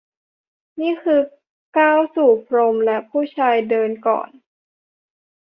นี่คือก้าวสู่พรมและผู้ชายเดินก่อน